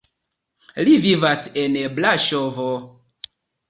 Li vivas en Braŝovo.